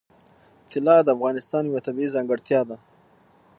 طلا د افغانستان یوه طبیعي ځانګړتیا ده.